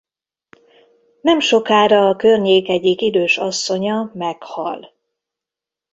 Nemsokára a környék egyik idős asszonya meghal.